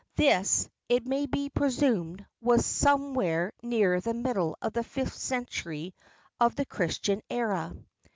This, it may be presumed, was somewhere near the middle of the fifth century of the Christian era.